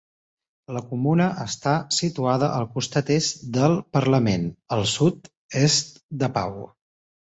La comuna està situada al costat est del departament, al sud-est de Pau.